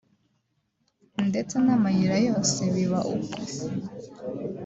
ndetse n’amayira yose biba uko